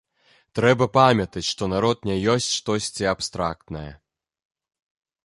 Трэба памятаць, што народ не ёсць штосьці абстрактнае.